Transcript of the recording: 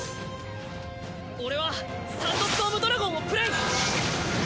俺はサンドストームドラゴンをプレイ！